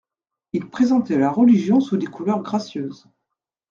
Il présentait la Religion sous des couleurs gracieuses.